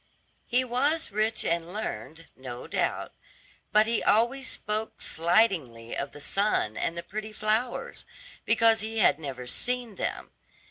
He was rich and learned, no doubt, but he always spoke slightingly of the sun and the pretty flowers, because he had never seen them.